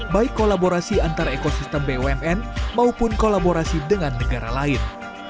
baik kolaborasi antar ekosistem bumn maupun kolaborasi dengan negara lain